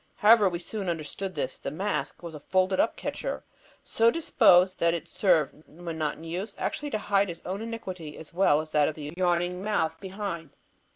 However, we soon understood this. The mask was the folded up "catcher" so disposed that it served, when not in use, actually to hide its own iniquity as well as that of the yawning mouth behind.